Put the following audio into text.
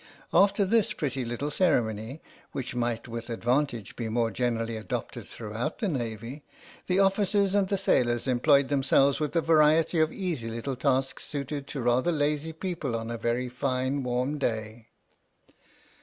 After this pretty little ceremony (which might with advantage be more generally adopted throughout the Navy), the officers and sailors employed themselves with a variety of easy little tasks suited to rather lazy people on a very fine warm day.